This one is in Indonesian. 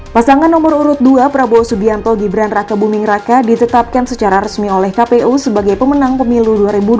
pasangan nomor urut dua prabowo subianto gibran raka buming raka ditetapkan secara resmi oleh kpu sebagai pemenang pemilu dua ribu dua puluh